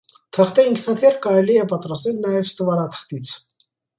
Թղթե ինքնաթիռ կարելի պատրաստել նաև ստվարաթղթից։